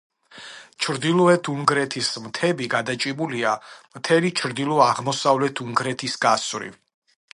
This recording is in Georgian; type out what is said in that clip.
ჩრდილოეთ უნგრეთის მთები გადაჭიმულია მთელი ჩრდილო-აღმოსავლეთ უნგრეთის გასწვრივ.